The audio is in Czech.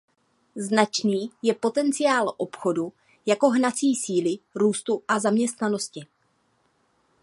Značný je potenciál obchodu jako hnací síly růstu a zaměstnanosti.